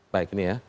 baik ini ya